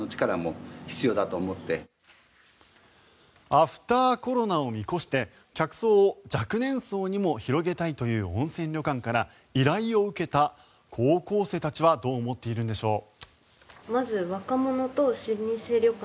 アフターコロナを見越して客層を若年層にも広げたいという温泉旅館から依頼を受けた高校生たちはどう思っているんでしょう。